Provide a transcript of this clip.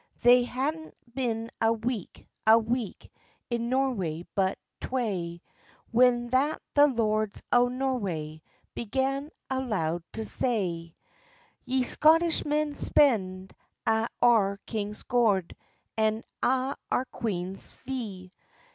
They hadna been a week, a week In Noroway but twae, When that the lords o Noroway Began aloud to say: "Ye Scottishmen spend a' our king's goud, And a' our queenis fee."